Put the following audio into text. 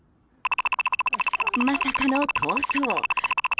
まさかの逃走。